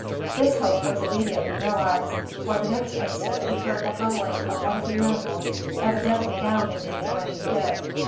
This hope was immediately realised, for the next instant he heard the howling of one of the animals evidently down in the adjoining pit.